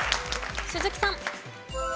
鈴木さん。